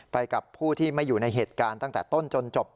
กับผู้ที่ไม่อยู่ในเหตุการณ์ตั้งแต่ต้นจนจบ